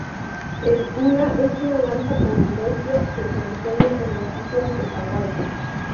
El hula es una danza polinesia que se enseña en las islas de Hawái.